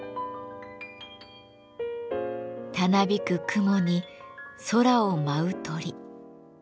たなびく雲に空を舞う鳥。